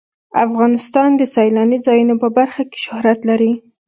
افغانستان د سیلاني ځایونو په برخه کې شهرت لري.